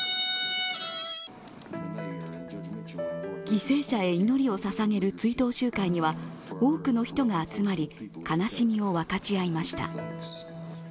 犠牲者へ祈りをささげる追悼集会には多くの人が集まり、悲しみを分かち合いました。